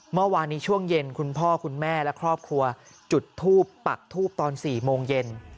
เมื่อวานนี้ช่วงเย็นคุณพ่อคุณแม่และครอบครัวจุดทูปปักทูบตอน๔โมงเย็น